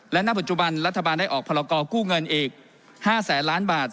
และณปัจจุบันรัฐบาลได้ออกพรกรกู้เงินอีก๕แสนล้านบาท